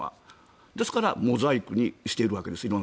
ですからモザイクにしているわけです